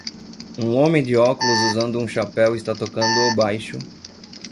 Um homem de óculos usando um chapéu está tocando o baixo